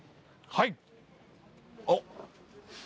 はい。